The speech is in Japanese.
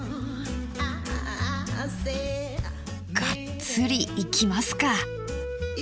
がっつりいきますか。